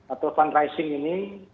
atau fundraising ini